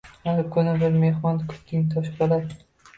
Har kuni bir mehmon kutding, Toshpo‘lat.